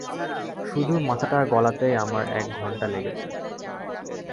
শুধু মাথাটা গলাতেই আমার এক ঘণ্টা লেগেছে।